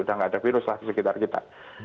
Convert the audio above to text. sudah tidak ada virus lah di sekitar kita